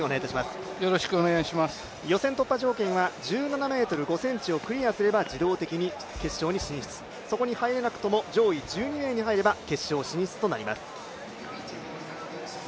予選突破条件は１７ｍ５ｃｍをクリアすれば自動的に決勝に進出、そこに入れなくても上位１２名に入れば決勝進出となります。